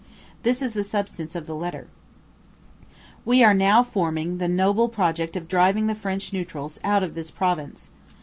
This is the substance of the letter: We are now forming the noble project of driving the French Neutrals out of this province.